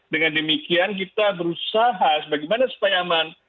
dengan demikian kita berusaha bagaimana supaya aman